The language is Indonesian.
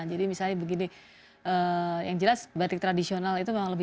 jadi misalnya begini yang jelas batik tradisional itu memang lo lakukan